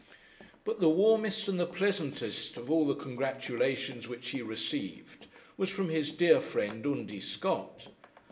But the warmest and the pleasantest of all the congratulations which he received was from his dear friend Undy Scott.